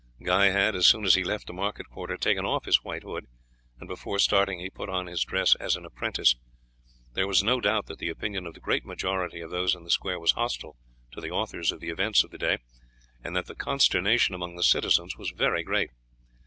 Guy had, as soon as he left the market quarter, taken off his white hood, and before starting he put on his dress as an apprentice. There was no doubt that the opinion of the great majority of those in the square was hostile to the authors of the events of the day, and that the consternation among the citizens was very great.